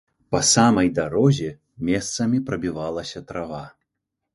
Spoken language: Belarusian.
Па самай дарозе месцамі прабівалася трава.